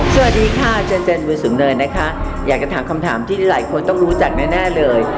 สวัสดีค่ะอาจารย์เจนบุญสูงเนินนะคะอยากจะถามคำถามที่หลายคนต้องรู้จักแน่เลย